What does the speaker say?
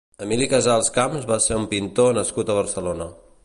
Emili Casals Camps va ser un pintor nascut a Barcelona.